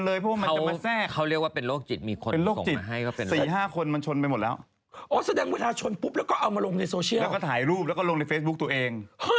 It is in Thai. แล้วก็ถ่ายรูปลงในเฟซบุ็กตัวเอง